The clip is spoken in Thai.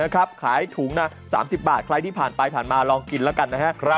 ขายถุงละ๓๐บาทใครที่ผ่านไปผ่านมาลองกินแล้วกันนะครับ